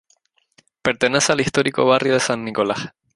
Pertenece al histórico barrio de San Nicolás.